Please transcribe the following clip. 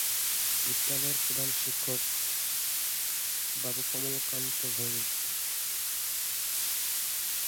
বিদ্যালয়ের প্রধান শিক্ষক বাবু কমল কান্তি ভৌমিক।